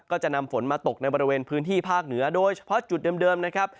ก็จะนำฝนมาตกในบริเวณพื้นที่ภาคเหนือโดยเฉพาะจุดเดิมนะครับ